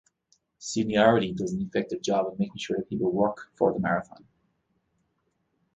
Seniority does an effective job in making sure that people work for the "marathon".